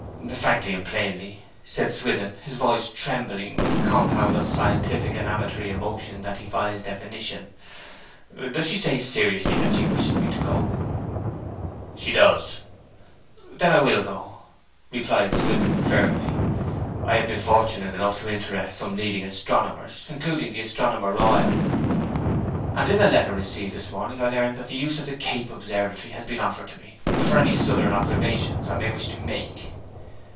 'Frankly and plainly,' said Swithin, his voice trembling with a compound of scientific and amatory emotion that defies definition, 'does she say seriously that she wishes me to go?' 'She does.' 'Then go I will,' replied Swithin firmly. 'I have been fortunate enough to interest some leading astronomers, including the Astronomer Royal; and in a letter received this morning I learn that the use of the Cape Observatory has been offered me for any southern observations I may wish to make.